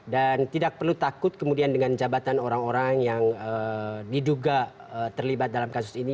dan tidak perlu takut kemudian dengan jabatan orang orang yang diduga terlibat dalam kasus ini